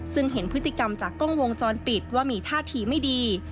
ซึ่งเห็นพฤติกรรมจากกล้องวงจรปิดว่ามีท่าทีไม่ดี